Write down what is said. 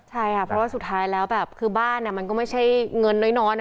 ใช่ค่ะเพราะว่าสุดท้ายแล้วแบบคือบ้านมันก็ไม่ใช่เงินน้อยนะ